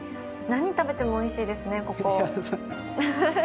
何食べてもおいしいですね、ここ。